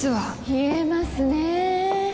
冷えますね